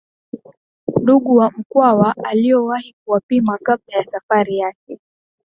ndugu wa Mkwawa aliowahi kuwapima kabla ya safari yake